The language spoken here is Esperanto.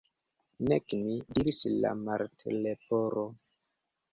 "Nek mi," diris la Martleporo.